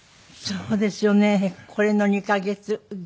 そうですよね。